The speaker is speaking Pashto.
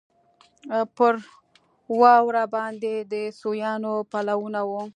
پر واوره باندې د سویانو پلونه وو.